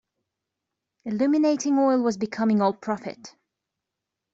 Illuminating oil was becoming all profit.